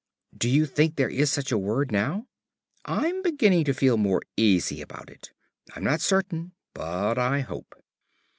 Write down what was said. "Do you think there is such a word now?" "I'm beginning to feel more easy about it. I'm not certain, but I hope."